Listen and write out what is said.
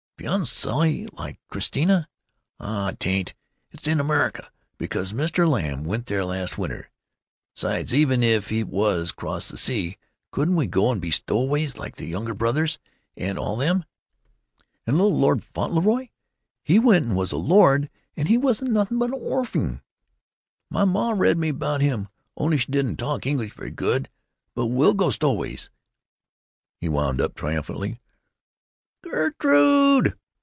" "Beyond the sea like Christiania? Ah, 'tain't! It's in America, because Mr. Lamb went there last winter. 'Sides, even if it was across the sea, couldn't we go an' be stow'ways, like the Younger Brothers and all them? And Little Lord Fauntleroy. He went and was a lord, and he wasn't nothing but a' orphing. My ma read me about him, only she don't talk English very good, but we'll go stow'ways," he wound up, triumphantly. "Gerrrrrrtrrrrrude!"